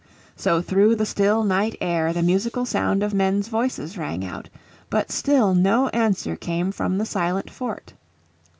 So through the still night air the musical sound of men's voices rang out. But still no answer came from the silent fort.